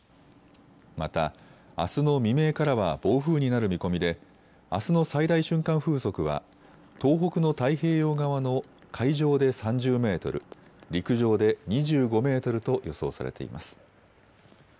また、あすの未明からは暴風になる見込みであすの最大瞬間風速は東北の太平洋側の海上で３０メートル、陸上で２５メートルと予想されています。